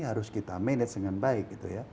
harus kita manage dengan baik